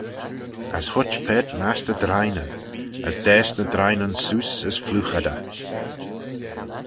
As huit paart mastey drineyn: as daase ny drineyn seose as phloogh ad eh.